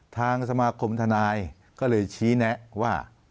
ทางสมาคมทนายก็เลยชี้แนะว่า